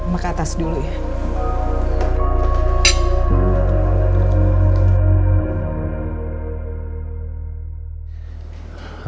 maka atas dulu ya